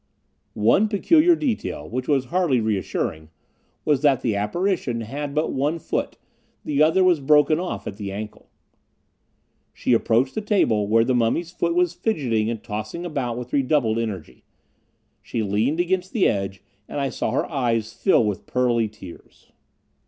One peculiar detail, which was hardly reassuring, was that the apparition had but one foot, the other was broken off at the ankle. She approached the table, where the mummy's foot was fidgeting and tossing about with redoubled energy. She leaned against the edge, and I saw her eyes fill with pearly tears.